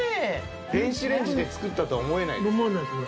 電子レンジで作ったとは思えない。